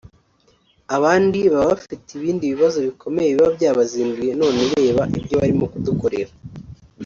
abandi baba bafite ibindi bibazo bikomeye biba byabazinduye none reba ibyo barimo kudukorera”